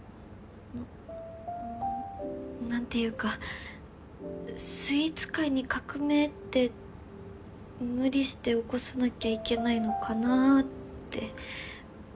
あのなんていうかスイーツ界に革命って無理して起こさなきゃいけないのかなって。